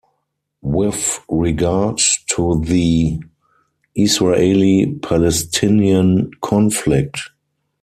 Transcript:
With regard to the Israeli-Palestinian conflict.